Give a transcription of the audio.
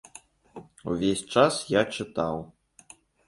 Увесь час я чытаў.